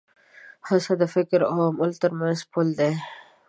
هڅه د فکر او عمل تر منځ پُل دی.